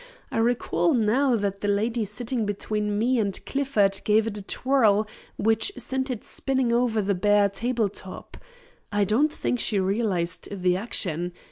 I recall now that the lady sitting between me and Clifford gave it a twirl which sent it spinning over the bare table top. I don't think she realised the action.